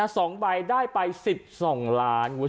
สองใบได้ไป๑๒ล้าน